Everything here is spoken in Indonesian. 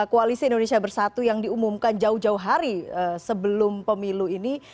koalisi indonesia bersatu yang diumumkan jauh jauh hari sebelum pemilu ini